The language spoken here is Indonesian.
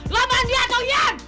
lo mondi atau ian